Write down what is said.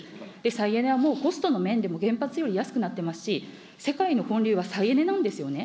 再エネはもう、コストの面でも原発より安くなってますし、世界の本流は再エネなんですよね。